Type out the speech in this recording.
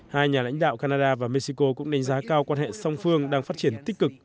hai nhà lãnh đạo canada và mexico cũng đánh giá cao quan hệ song phương đang phát triển tích cực